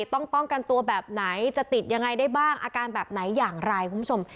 ต้องป้องกันตัวแบบไหนจะติดยังไงได้บ้างอาการแบบไหนอย่างไรคุณผู้ชม